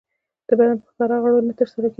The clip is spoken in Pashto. د بدن په ښکاره غړو نه ترسره کېږي.